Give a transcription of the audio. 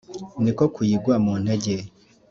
Ni ko kuyigwa mu ntege